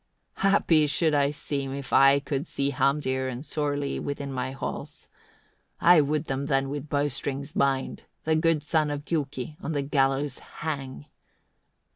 22. "Happy should I seem, if I could see Hamdir and Sorli within my hall. I would them then with bowstrings bind, the good sons of Giuki on the gallows hang."